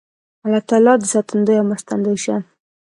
الله تعالی دې ساتندوی او مرستندوی شه